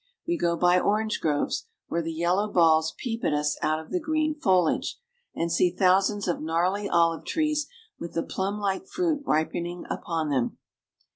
We go by orange groves, where the yellow balls peep at us out of the green foliage, and see thousands of gnarly olive trees with the plumlike fruit ripening upon them.